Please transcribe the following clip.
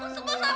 oh papi jelan